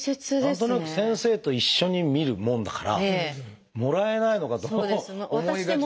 何となく先生と一緒に見るものだからもらえないのかと思いがちですけど。